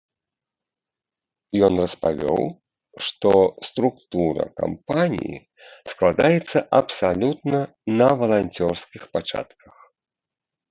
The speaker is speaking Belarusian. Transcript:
Ён распавёў, што структура кампаніі складаецца абсалютна на валанцёрскіх пачатках.